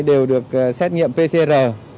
đều được xét nghiệm pcr